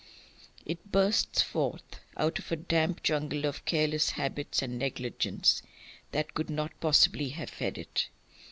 It bursts forth out of a damp jungle of careless habits and negligence that could not possibly have fed it.